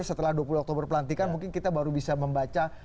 setelah dua puluh oktober pelantikan mungkin kita baru bisa membaca